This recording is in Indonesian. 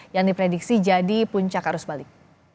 yang diprediksi jadi puncak arus balik